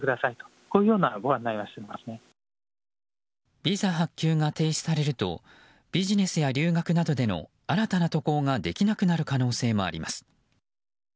ビザ発給が停止されるとビジネスや留学などでの新たな渡航ができなくなる可能性もあります。